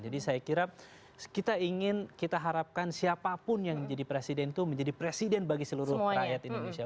jadi saya kira kita ingin kita harapkan siapapun yang menjadi presiden itu menjadi presiden bagi seluruh rakyat indonesia